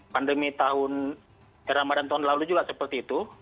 pandemi tahun ramadan tahun lalu juga seperti itu